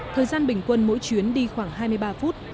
thời gian bình quân mỗi chuyến đi khoảng hai mươi ba phút